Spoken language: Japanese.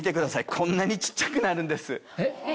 こんなに小っちゃくなるんです。